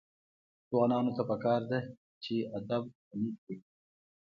ځوانانو ته پکار ده چې، ادب غني کړي.